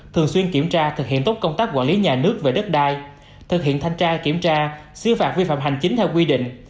thường xuyên kiểm tra thực hiện tốt công tác quản lý nhà nước về đất đai thực hiện thanh tra kiểm tra xứ phạt vi phạm hành chính theo quy định